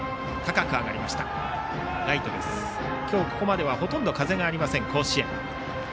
今日ここまではほとんど風がありません甲子園。